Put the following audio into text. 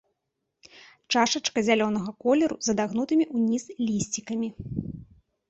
Чашачка зялёнага колеру, з адагнутымі ўніз лісцікамі.